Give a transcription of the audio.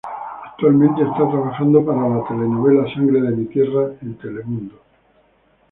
Actualmente está trabajando para la telenovela Sangre de mi tierra de Telemundo.